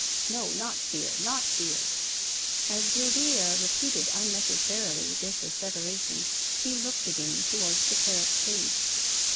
No — not fear, not fear." As Guildea repeated unnecessarily this assev eration he looked again towards the parrot's cage.